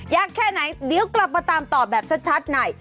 ยักษ์แค่ไหนเดี๋ยวกลับมาตามตอบแบบชัดหน่อย